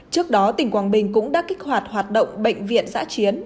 trước đó tỉnh quảng bình cũng đã kích hoạt hoạt động bệnh viện giã chiến